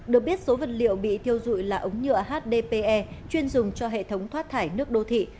được biết số vật liệu bị thiêu dụi là ống nhựa hdpe chuyên dùng cho hệ thống thoát thải nước đô thị